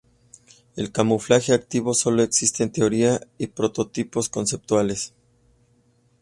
El camuflaje activo solo existe en teoría y prototipos conceptuales.